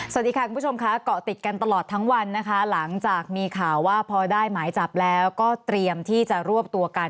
สวัสดีค่ะคุณผู้ชมค่ะเกาะติดกันตลอดทั้งวันนะคะหลังจากมีข่าวว่าพอได้หมายจับแล้วก็เตรียมที่จะรวบตัวกัน